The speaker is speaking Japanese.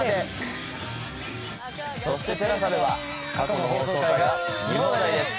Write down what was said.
そしてＴＥＬＡＳＡでは過去の放送回が見放題です。